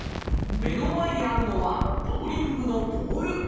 目の前にあるのはボウリングのボール。